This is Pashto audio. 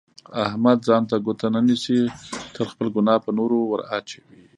احمد ځان ته ګوته نه نیسي، تل خپله ګناه په نورو ور اچوي.